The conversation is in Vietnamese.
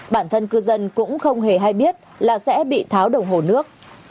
bản thân cư dân cũng không hề hay biết là sẽ bị tháo đồng hồ nước